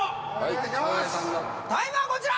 タイムはこちら！